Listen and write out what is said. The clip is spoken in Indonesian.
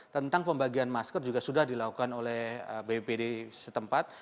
tentang pembagian masker juga sudah dilakukan oleh bppd setempat